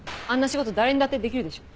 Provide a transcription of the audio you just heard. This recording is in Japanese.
仕事誰にだってできるでしょ。